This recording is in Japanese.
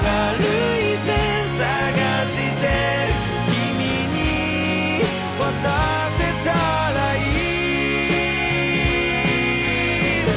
「君に渡せたらいい」